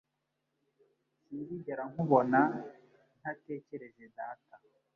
Sinzigera nkubona ntatekereje data.